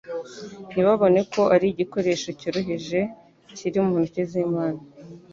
ntibabone ko ari igikoresho cyoroheje kiri mu ntoke z'Imana.